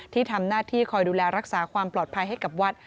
ที่ทำหน้าที่คอยดูแลรักษาความปลอดภัยให้กับวัด